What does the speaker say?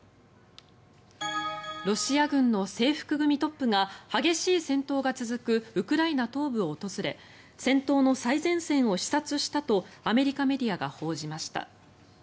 ロシア軍の制服組トップが激しい戦闘が続くウクライナ東部を訪れ戦闘の最前線を視察したとアメリカメディアが報じました。